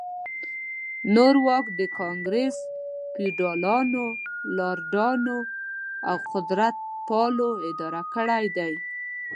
نور واک د ګانګرس فیوډالانو، لارډانو او قدرتپالو اداره کړی دی.